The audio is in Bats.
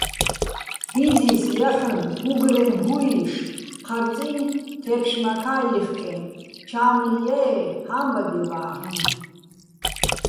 ბიძის ჲაჰ̦ონ გუგრეჼ ჰუიშ ჴარწინი̆, თე́ფშმაქა́ ჲიხკეჼ: ჩა́მლიჼ ჲაე́, ჰა́მბადჲებ-ა́ლ'იჼ.